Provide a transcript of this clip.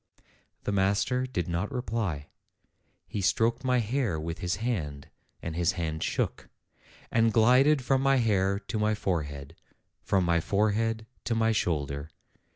The master did not reply; he stroked my hair with his hand, and his hand shook, and glided from my hair MY FATHER'S TEACHER 227 to my forehead, from my forehead to my shoulder.